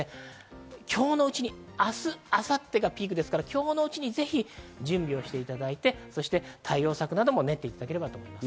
今日のうちに明日・明後日がピークですから、ぜひ準備をしていただいて、対応策なども練っていただければと思います。